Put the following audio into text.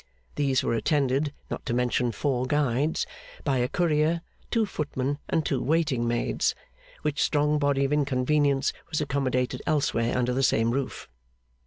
These were attended (not to mention four guides), by a courier, two footmen, and two waiting maids: which strong body of inconvenience was accommodated elsewhere under the same roof.